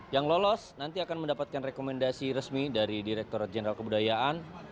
yang lolos nanti akan mendapatkan rekomendasi resmi dari direkturat jenderal kebudayaan